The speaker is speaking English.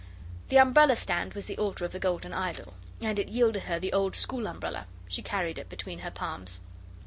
The umbrella stand was the altar of the golden idol, and it yielded her the old school umbrella. She carried it between her palms.